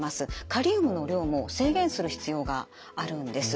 カリウムの量も制限する必要があるんです。